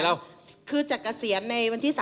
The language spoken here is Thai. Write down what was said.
คือจัดเกษียณในวันที่สาม